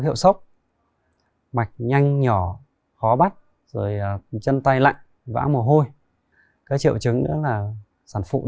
hiệu sốc mạch nhanh nhỏ khó bắt rồi chân tay lạnh vã mồ hôi cái triệu chứng nữa là sản phụ đau